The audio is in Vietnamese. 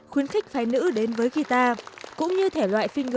khuyến khích phái nữ đến với guitar cũng như thể loại fingerstyle